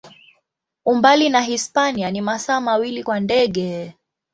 Umbali na Hispania ni masaa mawili kwa ndege.